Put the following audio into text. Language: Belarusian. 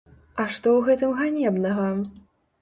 А што ў гэтым ганебнага?